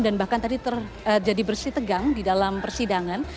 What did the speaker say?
dan bahkan tadi terjadi bersitegang di dalam persidangan